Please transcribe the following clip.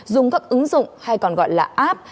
dùng các ứng dụng hay còn gọi là app